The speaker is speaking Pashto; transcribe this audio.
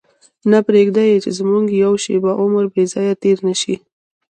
نه پرېږدي چې زموږ یوه شېبه عمر بې ځایه تېر شي.